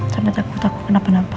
karena takut takut kenapa napa